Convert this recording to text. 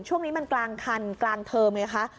ช่วงนี้มันกลางคันกลางเทอมไงคะ